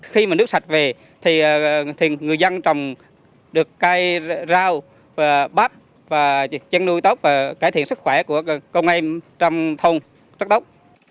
khi mà nước sạch về thì người dân trồng được cây rau bắp chân nuôi tóc và cải thiện sức khỏe của công em trong thông trắc tóc